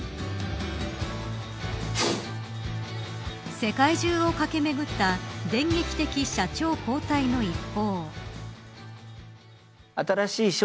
世界中を駆けめぐった電撃的社長交代の一報。